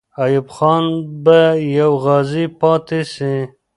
ایوب خان به یو غازی پاتې سي.